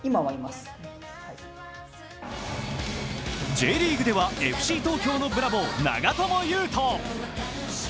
ＪリーグではＦＣ東京のブラボー、長友佑都。